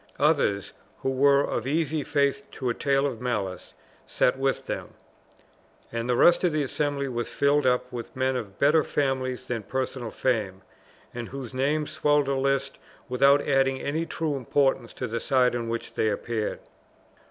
Others, who were of easy faith to a tale of malice, sat with them; and the rest of the assembly was filled up with men of better families than personal fame, and whose names swelled a list without adding any true importance to the side on which they appeared.